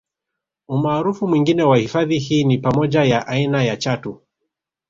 Umaarufu mwingine wa hifadhi hii ni pamoja ya aina ya Chatu